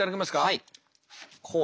はい。